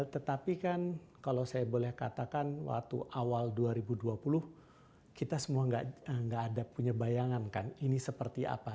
tetapi kan kalau saya boleh katakan waktu awal dua ribu dua puluh kita semua nggak ada punya bayangan kan ini seperti apa